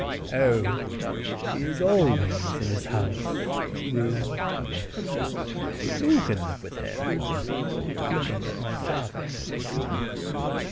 "Oh, he is always in his house (room). You can live with him," looking at my father.